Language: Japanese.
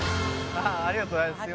ありがとうございます。